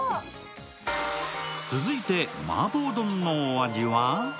続いて麻婆丼のお味は？